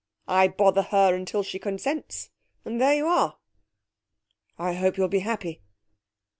I bother her until she consents and there you are.' 'I hope you'll be happy.'